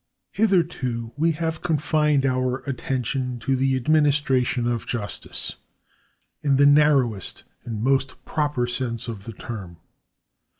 Hitherto we have confined our attention to the administra tion of justice in the narrowest and most proper sense of the term.